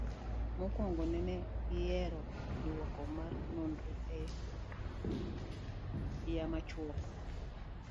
Mokwongo, ne en lero duoko mar nonro e yo machuok